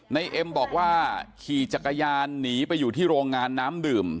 เอ็มบอกว่าขี่จักรยานหนีไปอยู่ที่โรงงานน้ำดื่ม